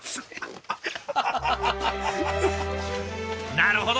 なるほど！